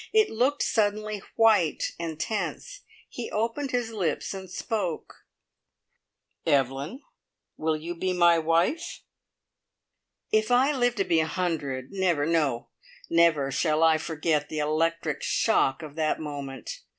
It looked suddenly white and tense. He opened his lips and spoke: "Evelyn, will you be my wife?" If I live to be a hundred, never no, never shall I forget the electric shock of that moment!